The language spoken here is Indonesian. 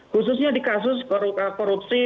khususnya di kasus korupsi